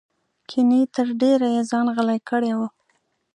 ګنې تر ډېره یې ځان غلی کړی و.